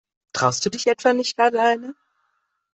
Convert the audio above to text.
Traust du dich etwa nicht alleine?